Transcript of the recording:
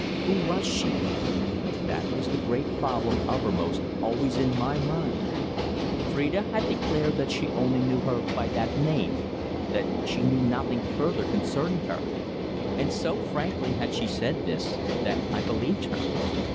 Who was she? That was the great problem uppermost always in my mind. Phrida had declared that she only knew her by that name that she knew nothing further concerning her. And so frankly had she said this, that I believed her.